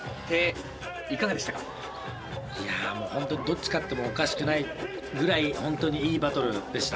いや本当にどっち勝ってもおかしくないぐらい本当にいいバトルでした。